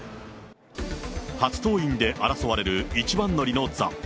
初登院で争われる一番乗りの座。